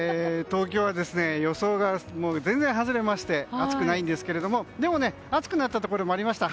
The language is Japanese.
東京は予想が全然外れまして暑くないんですけどもでも、暑くなったところもありました。